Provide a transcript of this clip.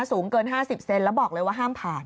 สูงเกิน๕๐เซนแล้วบอกเลยว่าห้ามผ่าน